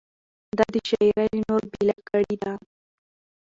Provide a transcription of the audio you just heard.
د ده شاعري له نورو بېله کړې ده.